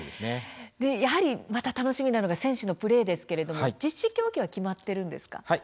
やはり、楽しみなのは選手のプレーですけれども実施競技は決まっているんですか。